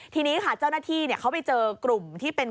ทีนี้ค่ะเจ้าหน้าที่เขาไปเจอกลุ่มที่เป็น